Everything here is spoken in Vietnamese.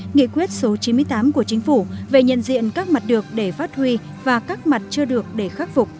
nghị quyết số chín mươi tám của chính phủ về nhận diện các mặt được để phát huy và các mặt chưa được để khắc phục